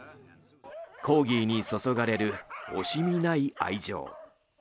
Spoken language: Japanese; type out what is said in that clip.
コーギーに注がれる惜しみない愛情。